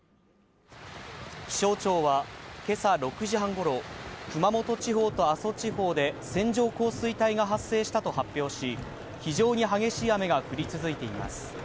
気象庁は今朝６時半ごろ、熊本地方と阿蘇地方で線状降水帯が発生したと発表し、非常に激しい雨が降り続いています。